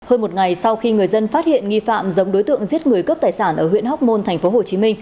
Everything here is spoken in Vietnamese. hơn một ngày sau khi người dân phát hiện nghi phạm giống đối tượng giết người cướp tài sản ở huyện hóc môn tp hcm